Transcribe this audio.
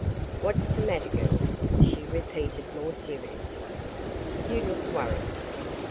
"What's the matter, girls?" she repeated more seriously. "You look worried."